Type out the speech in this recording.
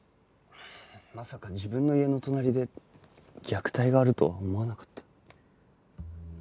まさか自分の家の隣で虐待があるとは思わなかった。